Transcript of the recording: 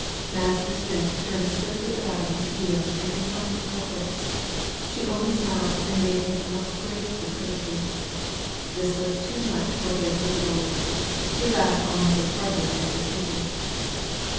Master Smith turned swiftly about on his heel, and confronted the culprit. She only smiled and made him a most graceful courtesy. This was too much for his risibles. He laughed almost as heartily as his pupils.